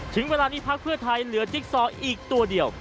ถึงเวลานี้พักเพื่อไทยเหลือจิ๊กซออีกตัวเดียว